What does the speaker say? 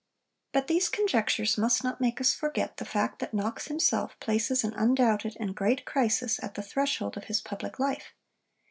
But these conjectures must not make us forget the fact that Knox himself places an undoubted and great crisis at the threshold of his public life.